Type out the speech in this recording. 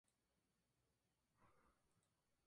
Pablo Ilabaca comenzaba ya su carrera solista.